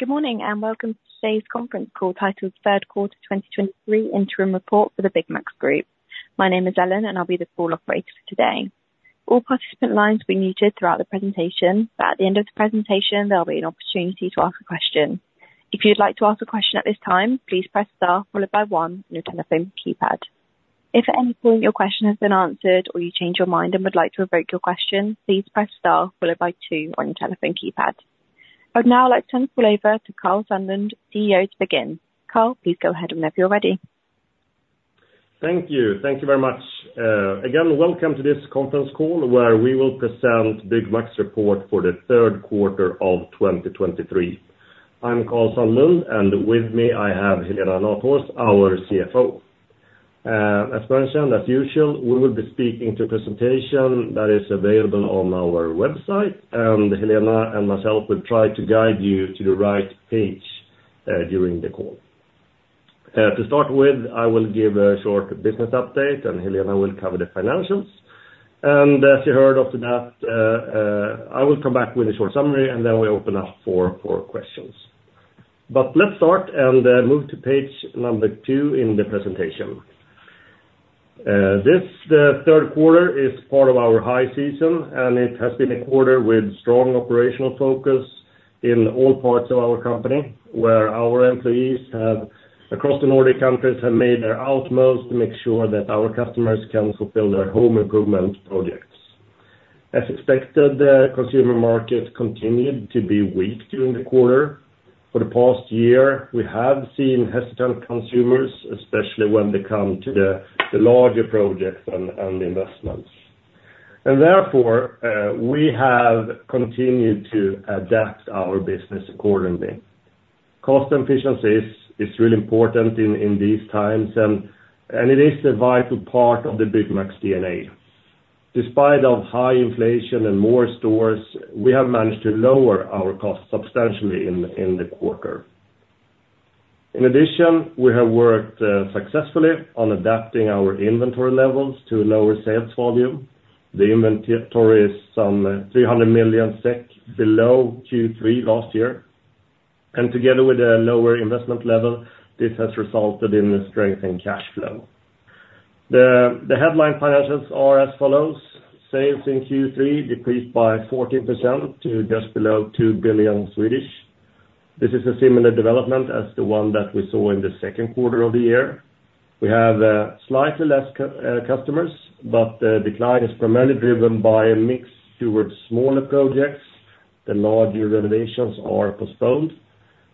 Good morning, and welcome to today's conference call, titled Third Quarter 2023 Interim Report for the Byggmax Group. My name is Ellen, and I'll be the call operator for today. All participant lines will be muted throughout the presentation, but at the end of the presentation, there'll be an opportunity to ask a question. If you'd like to ask a question at this time, please press Star followed by one on your telephone keypad. If at any point your question has been answered, or you change your mind and would like to revoke your question, please press Star followed by two on your telephone keypad. I'd now like to turn the call over to Karl Sandlund, CEO, to begin. Karl, please go ahead whenever you're ready. Thank you. Thank you very much. Again, welcome to this conference call, where we will present Byggmax's report for the third quarter of 2023. I'm Karl Sandlund, and with me, I have Helena Nathhorst, our CFO. As mentioned, as usual, we will be speaking to a presentation that is available on our website, and Helena and myself will try to guide you to the right page during the call. To start with, I will give a short business update, and Helena will cover the financials. And as you heard after that, I will come back with a short summary, and then we'll open up for questions. But let's start and move to page number 2 in the presentation. This, the third quarter is part of our high season, and it has been a quarter with strong operational focus in all parts of our company, where our employees across the Nordic countries have made their utmost to make sure that our customers can fulfill their home improvement projects. As expected, the consumer market continued to be weak during the quarter. For the past year, we have seen hesitant consumers, especially when they come to the larger projects and investments. And therefore, we have continued to adapt our business accordingly. Cost efficiency is really important in these times, and it is a vital part of the Byggmax's DNA. Despite of high inflation and more stores, we have managed to lower our costs substantially in the quarter. In addition, we have worked successfully on adapting our inventory levels to lower sales volume. The inventory is some 300 million SEK below Q3 last year, and together with a lower investment level, this has resulted in a strength in cash flow. The headline financials are as follows: Sales in Q3 decreased by 14% to just below 2 billion SEK. This is a similar development as the one that we saw in the second quarter of the year. We have slightly less customers, but the decline is primarily driven by a mix towards smaller projects. The larger renovations are postponed,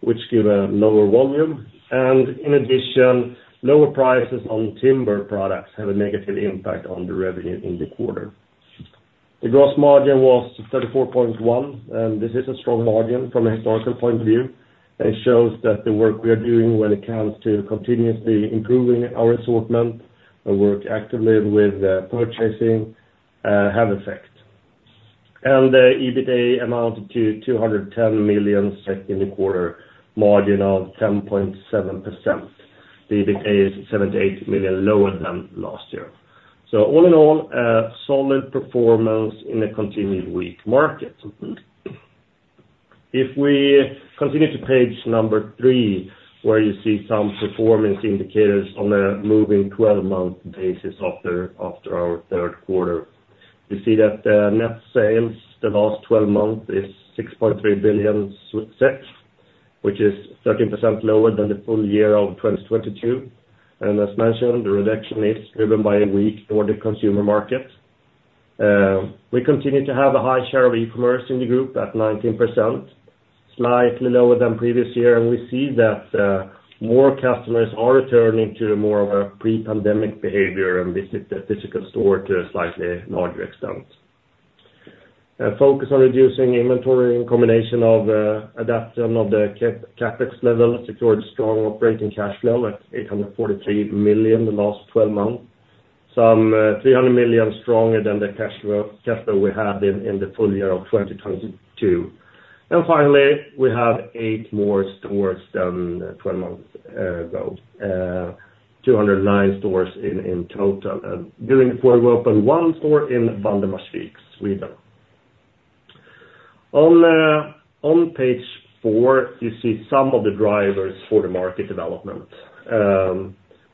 which give a lower volume, and in addition, lower prices on timber products have a negative impact on the revenue in the quarter. The gross margin was 34.1, and this is a strong margin from a historical point of view, and it shows that the work we are doing when it comes to continuously improving our assortment and work actively with purchasing have effect. And the EBITA amounted to 210 million in the quarter, margin of 10.7%. The EBITA is 78 million lower than last year. So all in all, a solid performance in a continued weak market. If we continue to page number 3, where you see some performance indicators on a moving 12-month basis after our third quarter, we see that the net sales, the last 12 months, is 6.3 billion, which is 13% lower than the full year of 2022. And as mentioned, the reduction is driven by a weak trend toward the consumer market. We continue to have a high share of e-commerce in the group at 19%, slightly lower than previous year, and we see that more customers are returning to more of a pre-pandemic behavior and visit the physical store to a slightly larger extent. A focus on reducing inventory in combination of adaptation of the CapEx level secured strong operating cash flow at 843 million the last 12 months. Some 300 million stronger than the cash flow we had in the full year of 2022. And finally, we have 8 more stores than 12 months ago, 209 stores in total. And during the quarter, we opened 1 store in Valdemarsvik, Sweden. On page four, you see some of the drivers for the market development.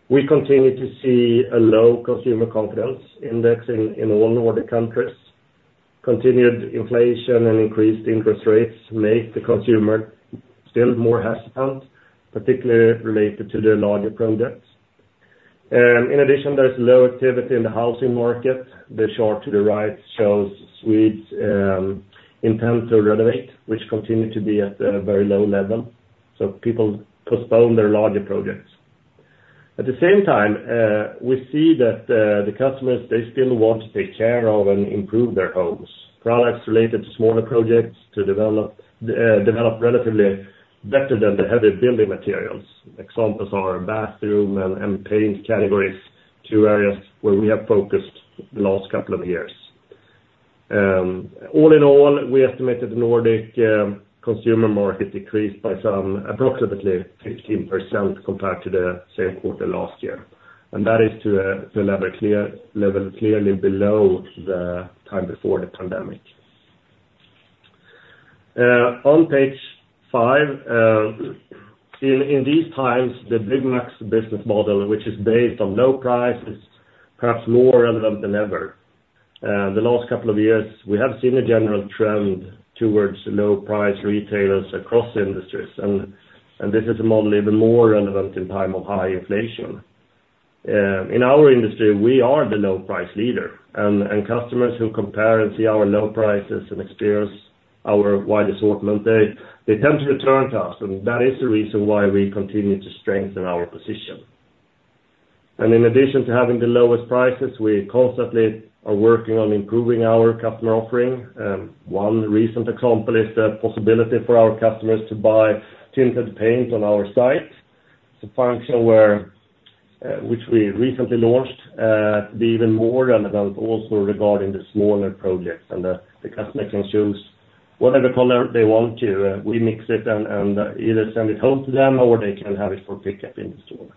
We continue to see a low Consumer Confidence Index in all Nordic countries. Continued inflation and increased interest rates make the consumer still more hesitant, particularly related to their larger projects. In addition, there's low activity in the housing market. The chart to the right shows Swedes' intent to renovate, which continue to be at a very low level, so people postpone their larger projects. At the same time, we see that the customers, they still want to take care of and improve their homes. Products related to smaller projects develop relatively better than the heavy building materials. Examples are bathroom and paint categories, two areas where we have focused the last couple of years. All in all, we estimate that the Nordic consumer market decreased by some approximately 15% compared to the same quarter last year. That is to a level clearly below the time before the pandemic. On page five, in these times, the Byggmax business model, which is based on low prices, perhaps more relevant than ever. The last couple of years, we have seen a general trend towards low price retailers across industries, and this is a model even more relevant in time of high inflation. In our industry, we are the low price leader, and customers who compare and see our low prices and experience our wide assortment, they tend to return to us, and that is the reason why we continue to strengthen our position. In addition to having the lowest prices, we constantly are working on improving our customer offering. One recent example is the possibility for our customers to buy tinted paints on our site. It's a function where which we recently launched to be even more relevant also regarding the smaller projects. The customer can choose whatever color they want to, we mix it and, and either send it home to them or they can have it for pickup in store.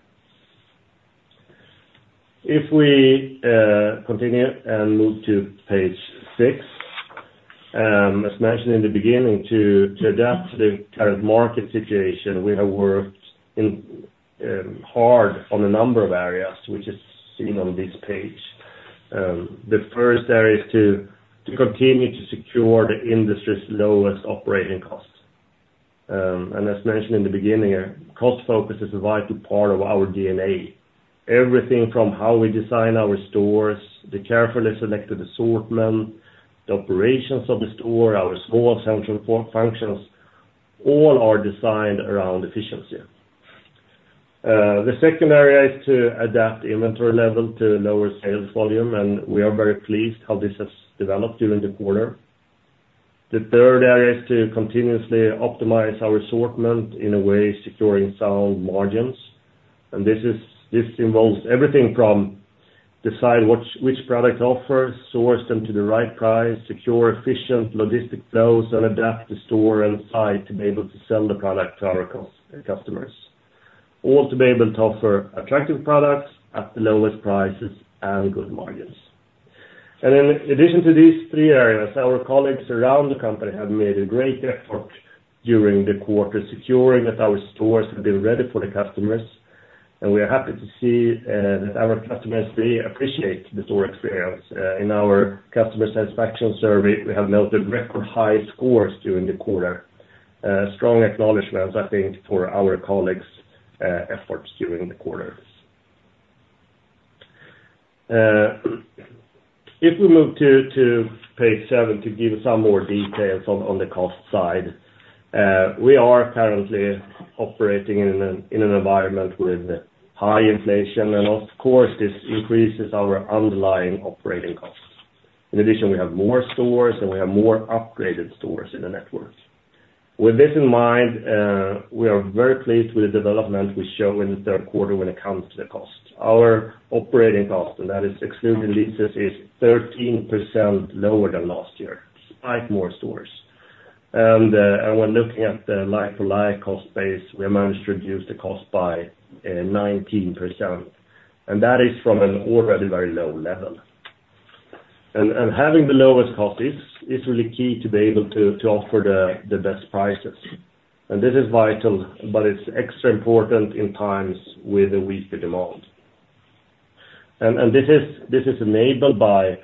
If we continue and move to page six, as mentioned in the beginning, to adapt to the current market situation, we have worked hard on a number of areas, which is seen on this page. The first area is to continue to secure the industry's lowest operating costs. As mentioned in the beginning, cost focus is a vital part of our DNA. Everything from how we design our stores, the carefully selected assortment, the operations of the store, our small central functions, all are designed around efficiency. The second area is to adapt inventory level to lower sales volume, and we are very pleased how this has developed during the quarter. The third area is to continuously optimize our assortment in a way, securing sound margins. And this involves everything from decide which product offers, source them to the right price, secure efficient logistics flows, and adapt the store and site to be able to sell the product to our customers, all to be able to offer attractive products at the lowest prices and good margins. In addition to these three areas, our colleagues around the company have made a great effort during the quarter, securing that our stores have been ready for the customers, and we are happy to see that our customers they appreciate the store experience. In our customer satisfaction survey, we have noted record high scores during the quarter. Strong acknowledgments, I think, for our colleagues' efforts during the quarter. If we move to page seven to give some more details on the cost side. We are currently operating in an environment with high inflation, and of course, this increases our underlying operating costs. In addition, we have more stores, and we have more upgraded stores in the network. With this in mind, we are very pleased with the development we show in the third quarter when it comes to the cost. Our operating cost, and that is excluding leases, is 13% lower than last year, despite more stores. When looking at the like-for-like cost base, we managed to reduce the cost by 19%, and that is from an already very low level. Having the lowest cost is really key to be able to offer the best prices. This is vital, but it's extra important in times with a weaker demand. This is enabled by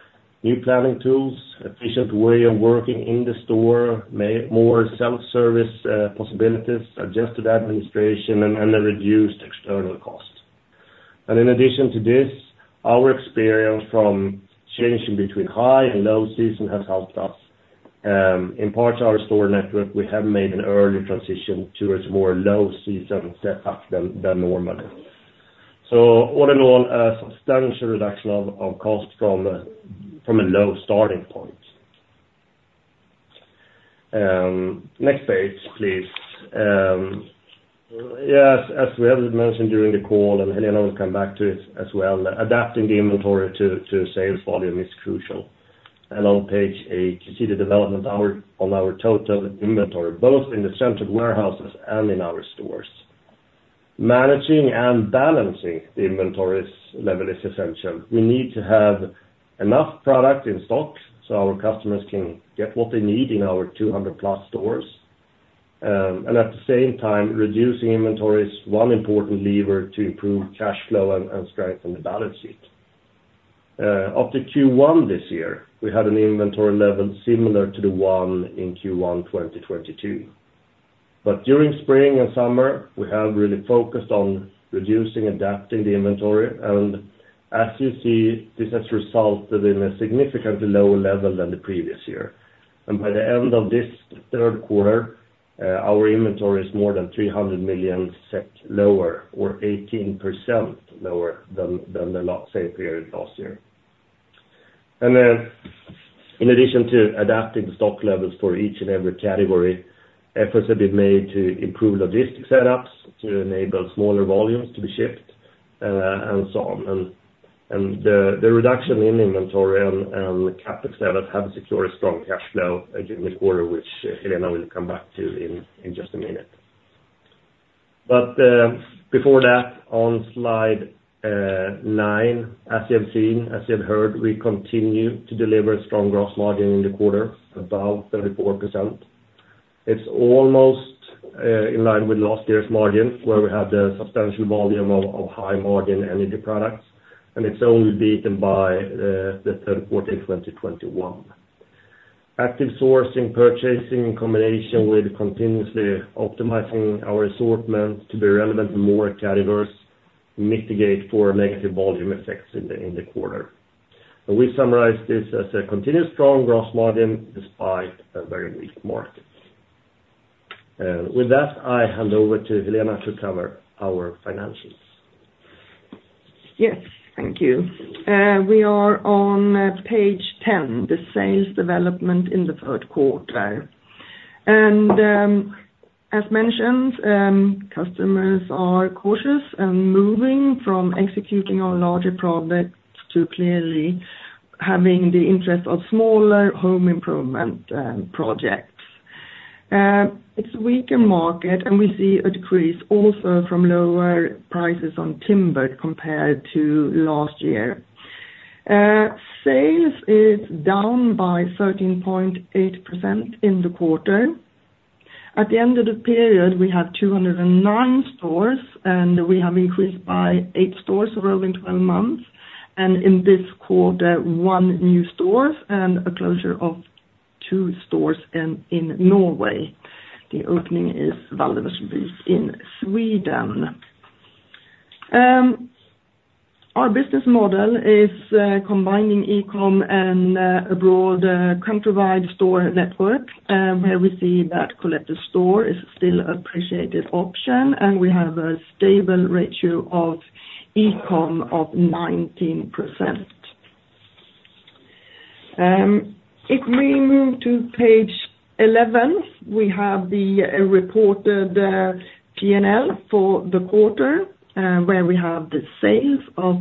new planning tools, efficient way of working in the store, more self-service possibilities, adjusted administration, and a reduced external cost. In addition to this, our experience from changing between high and low season has helped us. In parts of our store network, we have made an early transition towards more low season setup than normally. All in all, a substantial reduction of cost from a low starting point. Next page, please. Yes, as we have mentioned during the call, and Helena will come back to it as well, adapting the inventory to sales volume is crucial. On page 8, you see the development on our total inventory, both in the central warehouses and in our stores. Managing and balancing the inventories level is essential. We need to have enough product in stock so our customers can get what they need in our 200+ stores. And at the same time, reducing inventory is one important lever to improve cash flow and strengthen the balance sheet. After Q1 this year, we had an inventory level similar to the one in Q1 2022. But during spring and summer, we have really focused on reducing, adapting the inventory, and as you see, this has resulted in a significantly lower level than the previous year. And by the end of this third quarter, our inventory is more than 300 million lower or 18% lower than the last same period last year. And in addition to adapting the stock levels for each and every category, efforts have been made to improve logistics setups, to enable smaller volumes to be shipped, and so on. And-... The reduction in inventory and the CapEx level have secured a strong cash flow again in the quarter, which Helena will come back to in just a minute. Before that, on slide nine, as you have seen, as you have heard, we continue to deliver a strong gross margin in the quarter, about 34%. It's almost in line with last year's margin, where we had a substantial volume of high margin energy products, and it's only beaten by the third quarter in 2021. Active sourcing, purchasing, in combination with continuously optimizing our assortment to be relevant to more categories, mitigate for negative volume effects in the quarter. We summarize this as a continued strong gross margin, despite a very weak market. With that, I hand over to Helena to cover our financials. Yes, thank you. We are on page 10, the sales development in the third quarter. As mentioned, customers are cautious and moving from executing our larger projects to clearly having the interest of smaller home improvement projects. It's a weaker market, and we see a decrease also from lower prices on timber compared to last year. Sales is down by 13.8% in the quarter. At the end of the period, we had 209 stores, and we have increased by 8 stores over 12 months, and in this quarter, 1 new stores and a closure of 2 stores in Norway. The opening is Valbo, Gävle in Sweden. Our business model is combining e-com and a broad countrywide store network, where we see that collect in store is still appreciated option, and we have a stable ratio of e-com of 19%. If we move to page 11, we have the reported P&L for the quarter, where we have the sales of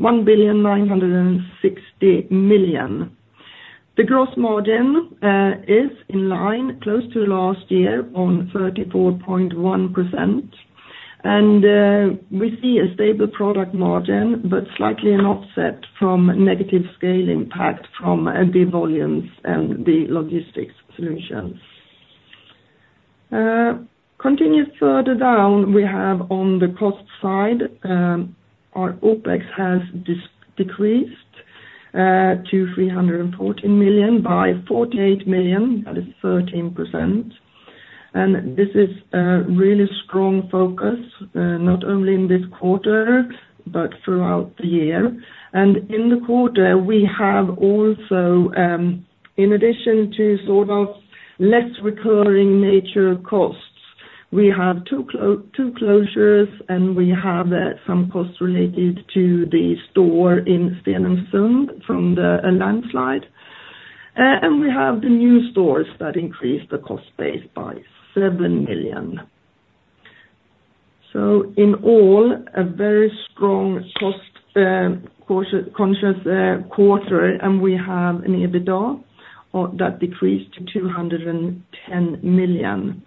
1.96 billion. The gross margin is in line, close to last year, on 34.1%. We see a stable product margin, but slightly an offset from negative scale impact from MP volumes and the logistics solutions. Continuing further down, we have on the cost side, our OpEx has decreased to 314 million by 48 million, that is 13%. This is a really strong focus, not only in this quarter, but throughout the year. In the quarter, we have also, in addition to sort of less recurring nature costs, we have 2 closures, and we have some costs related to the store in Stenungsund from a landslide. And we have the new stores that increased the cost base by 7 million. So in all, a very strong cost conscious quarter, and we have an EBITA or that decreased to 210 million.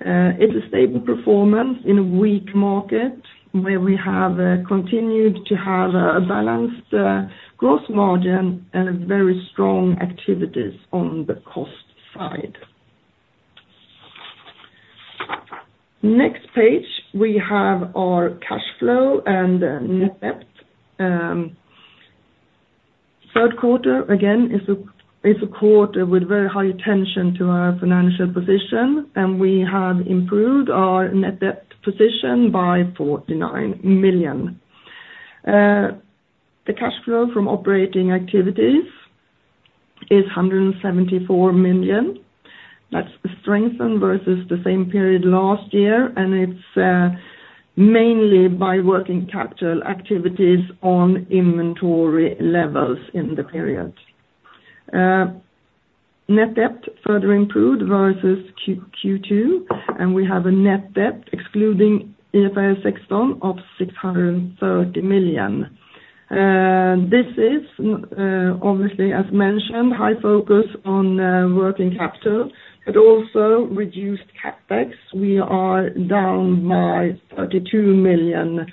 It's a stable performance in a weak market, where we have continued to have a balanced gross margin and very strong activities on the cost side. Next page, we have our cash flow and net debt. Third quarter, again, is a quarter with very high attention to our financial position, and we have improved our net debt position by 49 million. The cash flow from operating activities is 174 million. That's strengthened versus the same period last year, and it's mainly by working capital activities on inventory levels in the period. Net debt further improved versus Q2, and we have a net debt excluding IFRS 16 of 630 million. This is obviously, as mentioned, high focus on working capital, but also reduced CapEx. We are down by 32 million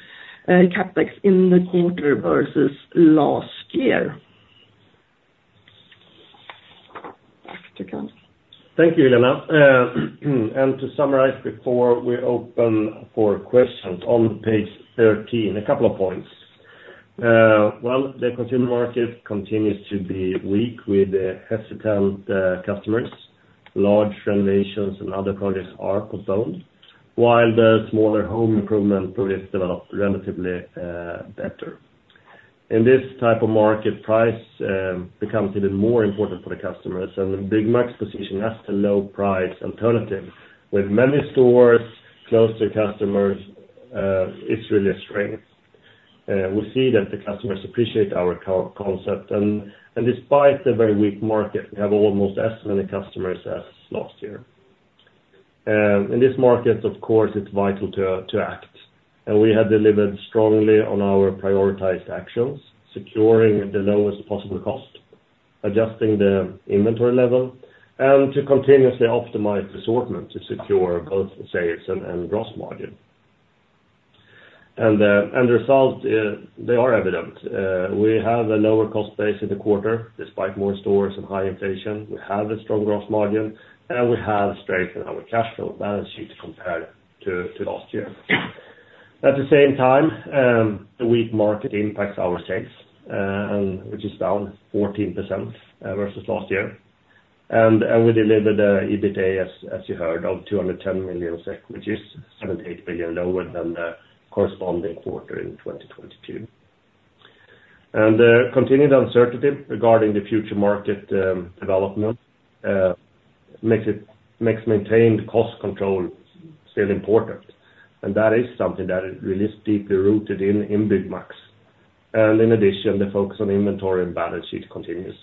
CapEx in the quarter versus last year. Back to you. Thank you, Helena. And to summarize, before we open for questions, on page 13, a couple of points. Well, the consumer market continues to be weak with hesitant customers. Large renovations and other projects are postponed, while the smaller home improvement projects develop relatively better. In this type of market, price becomes even more important for the customers, and the Byggmax's position as the low price alternative with many stores close to customers is really a strength. We see that the customers appreciate our core concept, and, and despite the very weak market, we have almost as many customers as last year... In this market, of course, it's vital to act, and we have delivered strongly on our prioritized actions, securing the lowest possible cost, adjusting the inventory level, and to continuously optimize assortment to secure both sales and gross margin. The result, they are evident. We have a lower cost base in the quarter, despite more stores and high inflation. We have a strong gross margin, and we have strength in our cash flow balance sheet compared to last year. At the same time, the weak market impacts our sales, and which is down 14%, versus last year. We delivered the EBITA, as you heard, of 210 million SEK, which is 78 million SEK lower than the corresponding quarter in 2022. Continued uncertainty regarding the future market development makes maintained cost control still important. And that is something that is really deeply rooted in Byggmax. And in addition, the focus on inventory and balance sheet continues.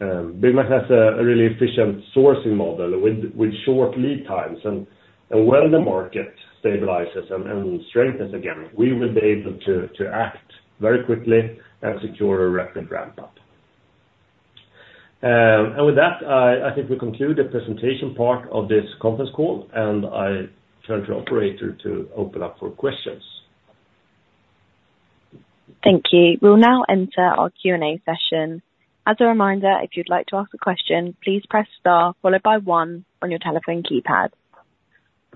Byggmax has a really efficient sourcing model with short lead times, and when the market stabilizes and strengthens again, we will be able to act very quickly and secure a rapid ramp up. And with that, I think we conclude the presentation part of this conference call, and I turn to operator to open up for questions. Thank you. We'll now enter our Q&A session. As a reminder, if you'd like to ask a question, please press star followed by one on your telephone keypad.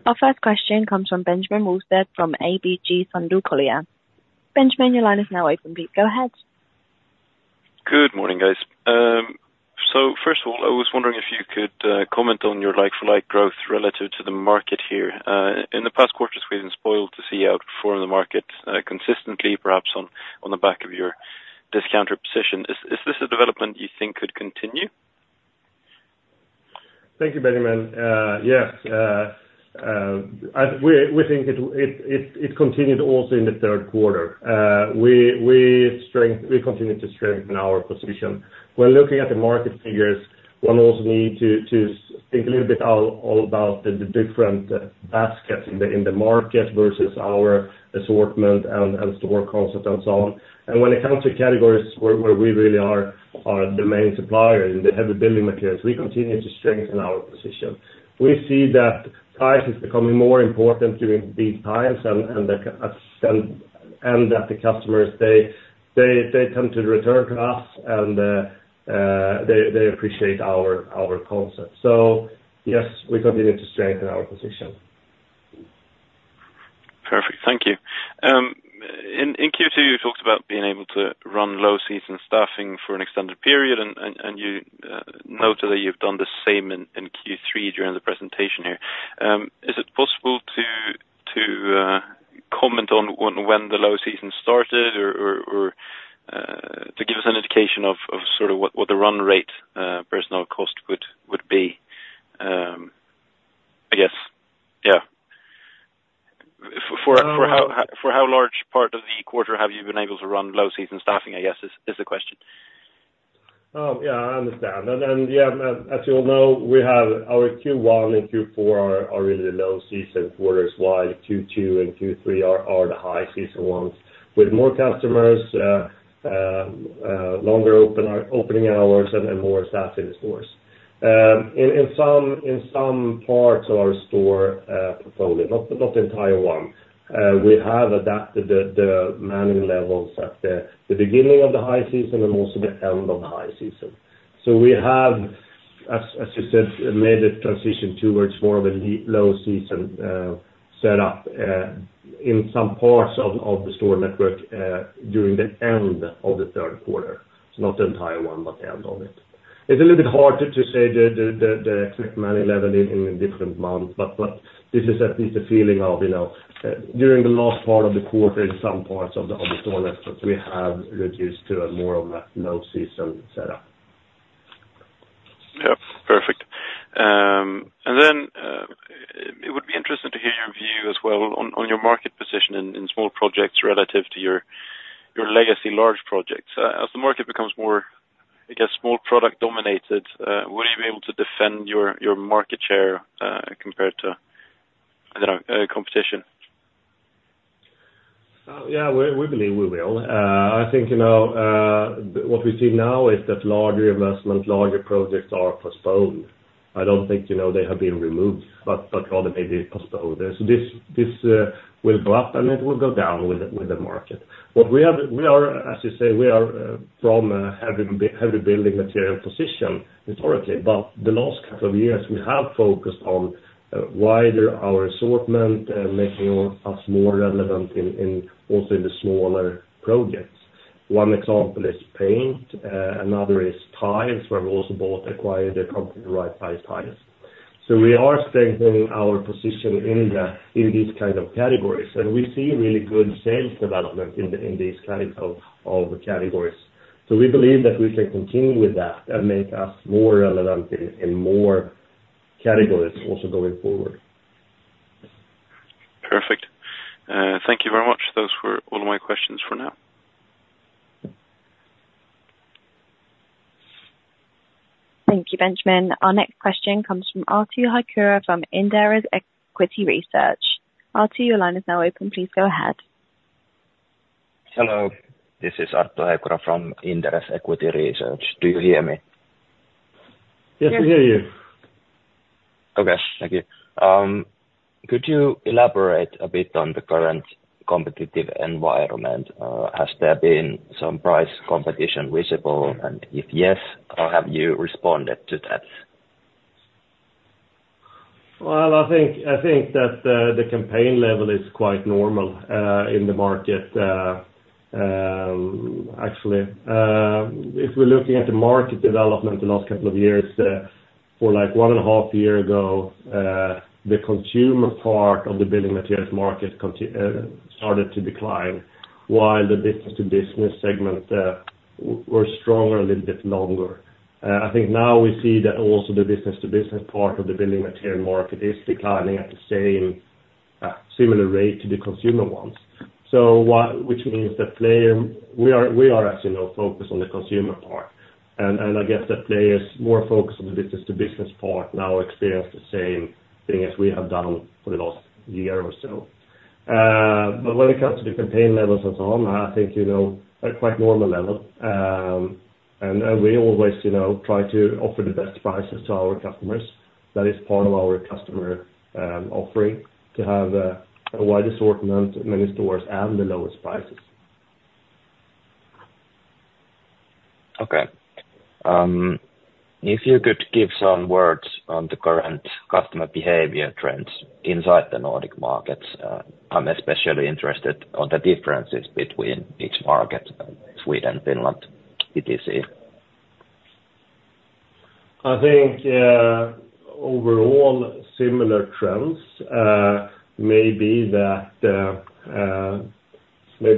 Our first question comes from Benjamin Wahlstedt, from ABG Sundal Collier. Benjamin, your line is now open. Please, go ahead. Good morning, guys. So first of all, I was wondering if you could comment on your like-for-like growth relative to the market here. In the past quarters, we've been spoiled to see you outperform the market consistently, perhaps on the back of your discounter position. Is this a development you think could continue? Thank you, Benjamin. Yes, we think it continued also in the third quarter. We continued to strengthen our position. When looking at the market figures, one also need to think a little bit about the different baskets in the market versus our assortment and store concept, and so on. When it comes to categories where we really are the main supplier in the heavy building materials, we continue to strengthen our position. We see that price is becoming more important during these times and that the customers they come to return to us, and they appreciate our concept. So yes, we continue to strengthen our position. Perfect. Thank you. In Q2, you talked about being able to run low season staffing for an extended period, and you noted that you've done the same in Q3 during the presentation here. Is it possible to comment on when the low season started or to give us an indication of sort of what the run rate personal cost would be? I guess, yeah. For how large part of the quarter have you been able to run low season staffing, I guess, is the question. Yeah, I understand. Yeah, as you all know, we have our Q1 and Q4 are really the low season quarters, while Q2 and Q3 are the high season ones, with more customers, longer opening hours and more staff in the stores. In some parts of our store portfolio, not the entire one, we have adapted the manning levels at the beginning of the high season and also the end of the high season. So we have, as you said, made a transition towards more of a low season set up in some parts of the store network during the end of the third quarter. Not the entire one, but the end of it. It's a little bit hard to say the exact manning level in different months, but this is at least the feeling of, you know, during the last part of the quarter, in some parts of the store network, we have reduced to a more of a low season setup. Yeah, perfect. And then, it would be interesting to hear your view as well on your market position in small projects relative to your legacy large projects. As the market becomes more, I guess, small product dominated, will you be able to defend your market share compared to, I don't know, competition? Yeah, we believe we will. I think, you know, what we see now is that larger investment, larger projects are postponed. I don't think, you know, they have been removed, but rather maybe postponed. So this will go up, and it will go down with the market. We are, as you say, we are from a heavy building material position historically, but the last couple of years, we have focused on widening our assortment, making us more relevant in also in the smaller projects. One example is paint, another is tiles, where we also both acquired a company, Right Price Tiles. So we are strengthening our position in these kind of categories, and we see really good sales development in these kind of categories. We believe that we can continue with that and make us more relevant in more categories also going forward. Thank you, Benjamin. Our next question comes from Arttu Heikura from Inderes Equity Research. Arttu, your line is now open. Please go ahead. Hello, this is Arttu Heikura from Inderes Equity Research. Do you hear me? Yes, we hear you. Okay, thank you. Could you elaborate a bit on the current competitive environment? Has there been some price competition visible, and if yes, how have you responded to that? Well, I think, I think that the campaign level is quite normal in the market. Actually, if we're looking at the market development the last couple of years, like 1.5 years ago, the consumer part of the building materials market started to decline, while the business to business segment were stronger a little bit longer. I think now we see that also the business to business part of the building material market is declining at the same similar rate to the consumer ones. So which means that players. We are, as you know, focused on the consumer part, and I guess the players more focused on the business to business part now experience the same thing as we have done for the last year or so. But when it comes to the campaign levels and so on, I think, you know, a quite normal level. And we always, you know, try to offer the best prices to our customers. That is part of our customer offering, to have a wide assortment in many stores and the lowest prices. Okay. If you could give some words on the current customer behavior trends inside the Nordic markets, I'm especially interested on the differences between each market, Sweden, Finland, etc. I think, overall, similar trends. Maybe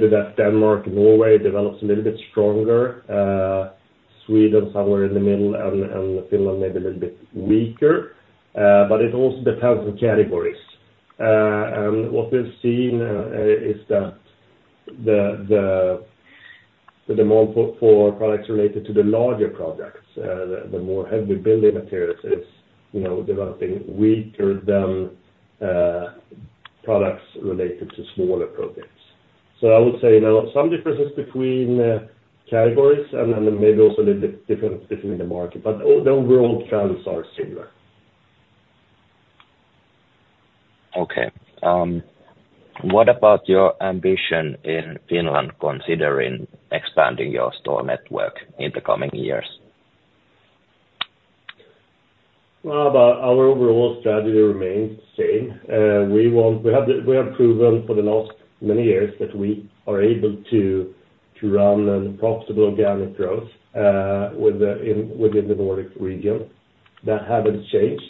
that Denmark and Norway develops a little bit stronger, Sweden, somewhere in the middle, and Finland maybe a little bit weaker. But it also depends on categories. And what we've seen is that the demand for products related to the larger projects, the more heavy building materials is, you know, developing weaker than products related to smaller projects. So I would say, you know, some differences between categories and then maybe also a little bit different in the market, but all the overall trends are similar. Okay. What about your ambition in Finland, considering expanding your store network in the coming years? Well, but our overall strategy remains the same. We want... We have proven for the last many years that we are able to run a profitable organic growth, within the Nordic region. That haven't changed.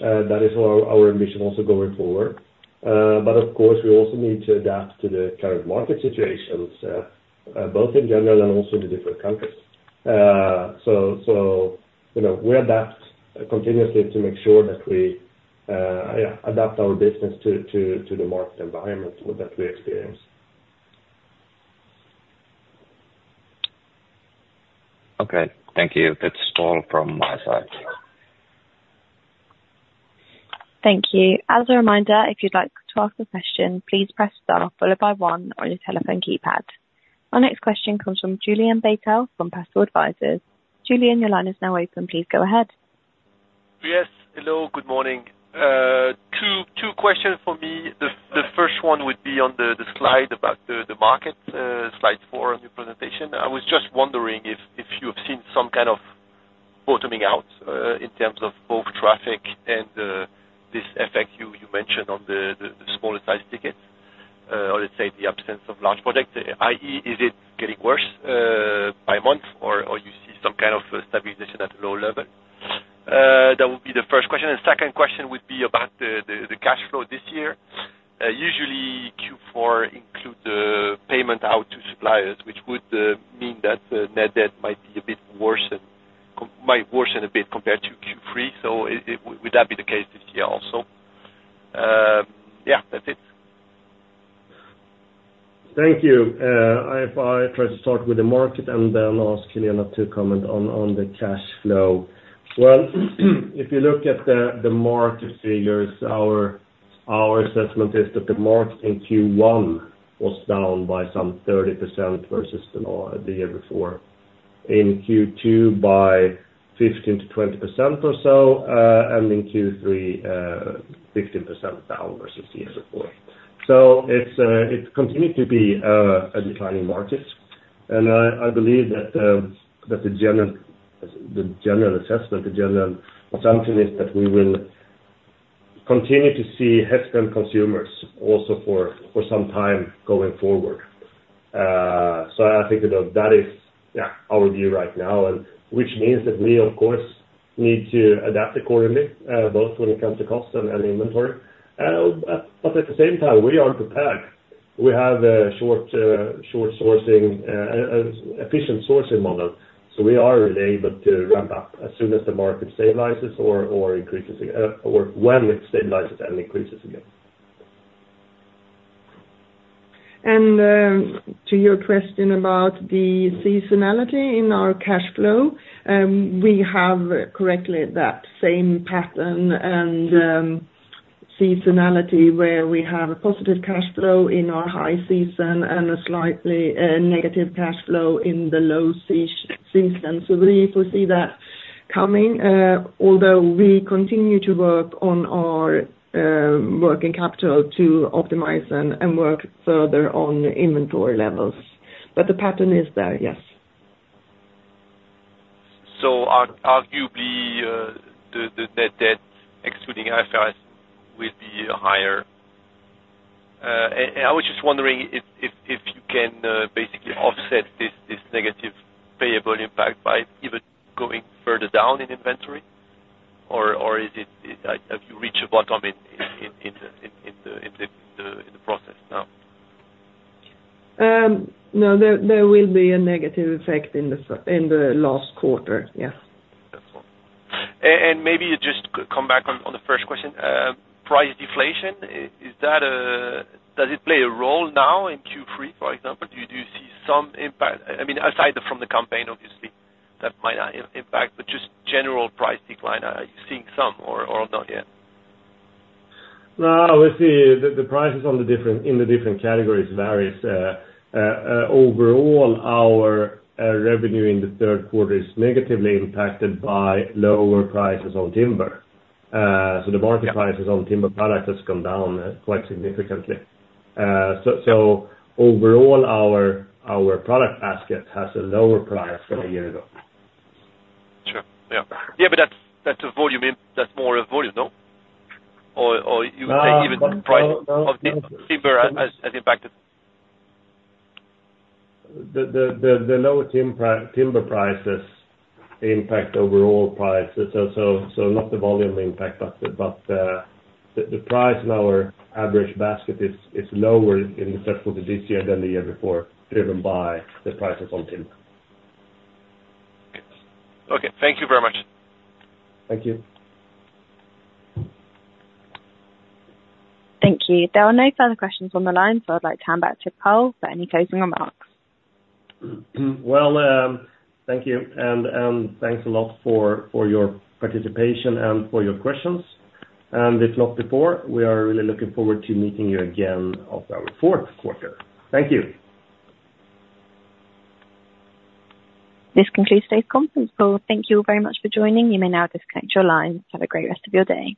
That is our mission also going forward. But of course, we also need to adapt to the current market situations, both in general and also the different countries. So, you know, we adapt continuously to make sure that we, yeah, adapt our business to the market environment that we experience. Okay. Thank you. That's all from my side. Thank you. As a reminder, if you'd like to ask a question, please press star followed by one on your telephone keypad. Our next question comes from Julian Baitz from Passport Advisors. Julian, your line is now open. Please go ahead. Yes. Hello, good morning. Two questions for me. The first one would be on the slide about the market, slide four on your presentation. I was just wondering if you have seen some kind of bottoming out in terms of both traffic and this effect you mentioned on the smaller size tickets, or let's say, the absence of large products, i.e., is it getting worse by month or you see some kind of stabilization at low level? That would be the first question, and second question would be about the cash flow this year. Usually Q4 include the payment out to suppliers, which would mean that net debt might be a bit worse than... Might worsen a bit compared to Q3. So, would that be the case this year also? Yeah, that's it. Thank you. I try to start with the market and then ask Helena to comment on the cash flow. Well, if you look at the market figures, our assessment is that the market in Q1 was down by some 30% versus the year before. In Q2, by 15%-20% or so, and in Q3, 15% down versus the year before. So it's continued to be a declining market, and I believe that the general assessment, the general assumption is that we will continue to see hesitant consumers also for some time going forward. So I think that is, yeah, our view right now, and which means that we, of course, need to adapt accordingly, both when it comes to cost and inventory. But at the same time, we are prepared. We have a short, efficient sourcing model, so we are able to ramp up as soon as the market stabilizes or increases, or when it stabilizes and increases again. To your question about the seasonality in our cash flow, we have correctly that same pattern and seasonality, where we have a positive cash flow in our high season and a slightly negative cash flow in the low season. So we foresee that coming, although we continue to work on our working capital to optimize and work further on inventory levels. But the pattern is there, yes. So arguably, the net debt, excluding IFRS, will be higher. And I was just wondering if you can basically offset this negative payable impact by even going further down in inventory? Or is it, have you reached a bottom in the process now? No, there will be a negative effect in the last quarter, yes. Maybe you just come back on the first question. Price deflation, is that does it play a role now in Q3, for example? Do you see some impact? I mean, aside from the campaign, obviously, that might have impact, but just general price decline. Are you seeing some or not yet? No, we see the prices in the different categories varies. Overall, our revenue in the third quarter is negatively impacted by lower prices on timber. So the market prices- Yeah. on timber products has come down quite significantly. So overall, our product basket has a lower price than a year ago. Sure. Yeah. Yeah, but that's, that's a volume, that's more of volume, no? Or, or you would say even price of timber has, has impacted. The lower timber prices impact overall prices. So, not the volume impact, but the price in our average basket is lower in the third quarter this year than the year before, driven by the prices on timber. Okay. Thank you very much. Thank you. Thank you. There are no further questions on the line, so I'd like to hand back to Karl for any closing remarks. Well, thank you, and thanks a lot for your participation and for your questions. If not before, we are really looking forward to meeting you again of our fourth quarter. Thank you. This concludes today's conference call. Thank you all very much for joining. You may now disconnect your line. Have a great rest of your day.